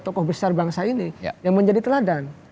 tokoh besar bangsa ini yang menjadi teladan